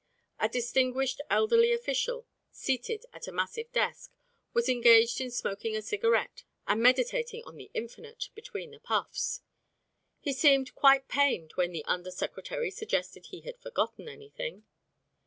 A distinguished elderly official, seated at a massive desk, was engaged in smoking a cigarette and meditating on the Infinite between the puffs. He seemed quite pained when the Under Secretary suggested he had forgotten anything.